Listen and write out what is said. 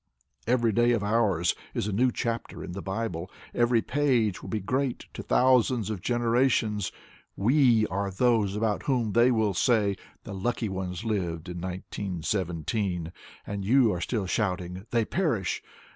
Every day of ours is a new chapter in the Bible. Every page will be great to thousands of generations. We are those about whom they will say: The lucky ones lived in 191 7. And you are still shouting: They perish!